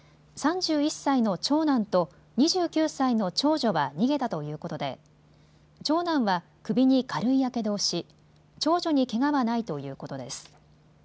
３１歳の長男と２９歳の長女は逃げたということで長男は首に軽いやけどをし長女にけがはないということです。